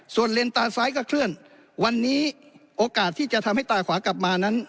ส่วนเลนตาซ้ายก็เคลื่อนวันนี้โอกาสที่จะทำให้ตาขวากลับมานั้น